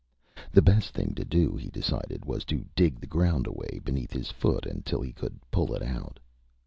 The best thing to do, he decided, was to dig the ground away beneath his foot until he could pull it out.